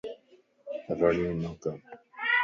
رڙيون نه ڪر